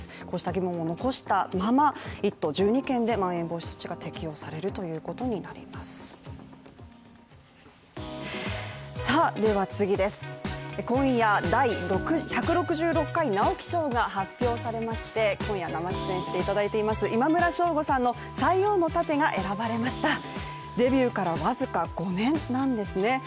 こうした疑問を残したまま１２県でまん延防止措置が適用されるということになりますでは次です今夜第６１６６回直木賞が発表されまして、今夜が出演していただいています今村翔吾さんの「塞王の楯」が選ばれましたデビューからわずか５年なんですね。